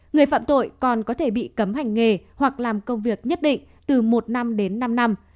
người phạm tội còn có thể bị cấm hành nghề hoặc làm công việc nhất định từ một năm đến năm năm